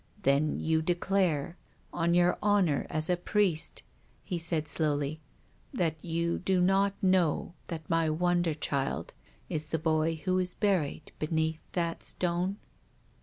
" Then you declare — onyour honour asa priest," he said slowly, " that you do not know that my wonder child is the boy who is buried beneath that stone?